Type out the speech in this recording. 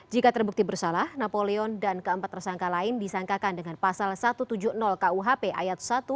jika terbukti bersalah napoleon dan keempat tersangka lain disangkakan dengan pasal satu ratus tujuh puluh kuhp ayat satu